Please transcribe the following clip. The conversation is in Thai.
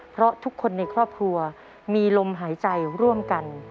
เพราะทุกคนในครอบครัวมีลมหายใจร่วมกัน